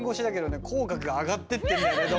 口角が上がってってるんだけど。